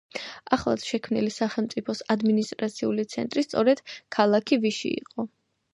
ახლად შექმნილი სახელმწიფოს ადმინისტრაციული ცენტრი სწორედ ქალაქი ვიში იყო.